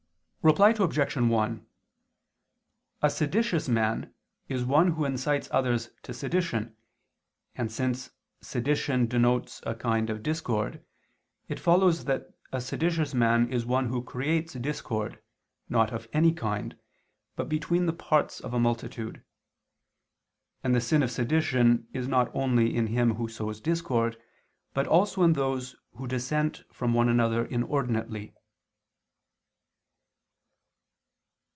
Reply Obj. 1: A seditious man is one who incites others to sedition, and since sedition denotes a kind of discord, it follows that a seditious man is one who creates discord, not of any kind, but between the parts of a multitude. And the sin of sedition is not only in him who sows discord, but also in those who dissent from one another inordinately.